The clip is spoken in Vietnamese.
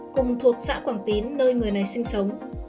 cùng thuộc xã quảng tín nơi người này sinh sống